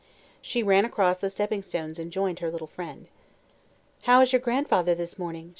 She ran across the stepping stones and joined her little friend. "How is your grandfather this morning?"